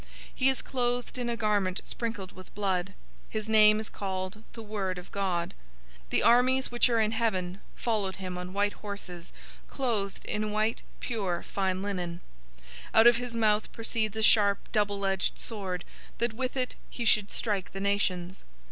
019:013 He is clothed in a garment sprinkled with blood. His name is called "The Word of God." 019:014 The armies which are in heaven followed him on white horses, clothed in white, pure, fine linen. 019:015 Out of his mouth proceeds a sharp, double edged sword, that with it he should strike the nations.